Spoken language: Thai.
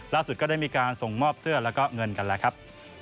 ก็ได้มีการส่งมอบเสื้อแล้วก็เงินกันแล้วครับ